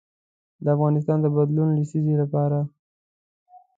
د افغانستان د بدلون لسیزې لپاره.